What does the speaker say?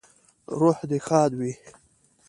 روح دې ښاد وي